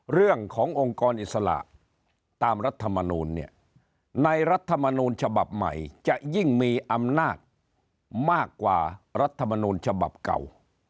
เรื่องขององค์กรอิสระตามรัฐมนูลเนี่ยในรัฐมนูลฉบับใหม่จะยิ่งมีอำนาจมากกว่ารัฐมนูลฉบับเก่า